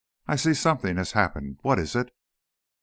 I see something has happened. What is it?"